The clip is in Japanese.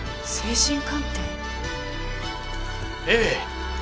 ええ。